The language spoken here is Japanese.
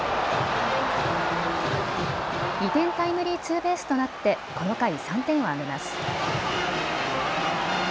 ２点タイムリーツーベースとなってこの回３点を挙げます。